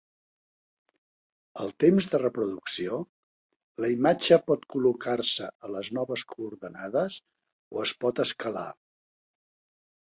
Al temps de reproducció, la imatge pot col·locar-se a les noves coordenades o es pot escalar.